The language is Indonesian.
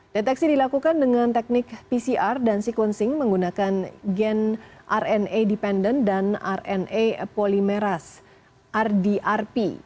deteksi dilakukan dengan teknik pcr dan sequencing menggunakan gen rna dependent dan rna polymeras rdrp